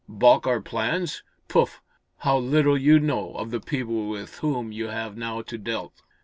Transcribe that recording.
Balk our plans? Pouf? How little you know of the people with whom you have now to dealt."